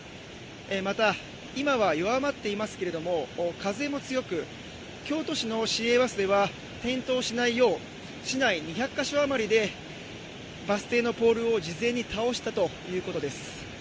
また、今は弱まっていますけれども、風も強く京都市の市営バスでは転倒しないよう、市内２００か所あまりでバス停のポールを事前に倒したということです。